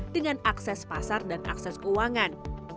dengan akses pasar dan akses keuangan